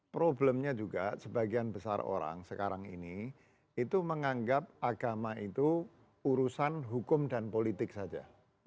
problemnya juga sebagian besar orang sekarang ini itu menganggap agama itu urusan hukum dan politik saja